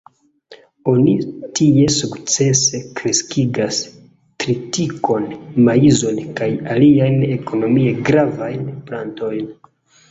Oni tie sukcese kreskigas tritikon, maizon kaj aliajn ekonomie gravajn plantojn.